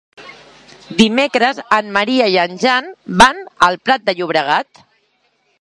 Dimecres en Maria i en Jan van al Prat de Llobregat.